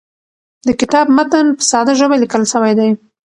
د کتاب متن په ساده ژبه لیکل سوی دی.